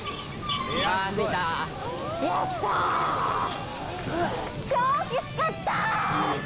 やった！